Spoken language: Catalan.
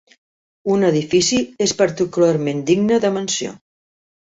Un edifici és particularment digne de menció.